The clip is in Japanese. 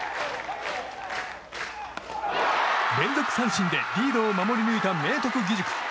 連続三振でリードを守り抜いた明徳義塾。